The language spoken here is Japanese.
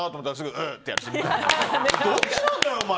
どっちなんだよ、お前！